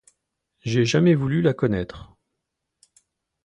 j'ai jamais voulu la connaître.